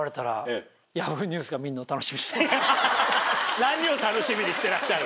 何を楽しみにしてらっしゃる？